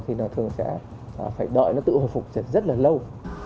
thì nó thường sẽ phải đợi nó tự hồi phục rất là lâu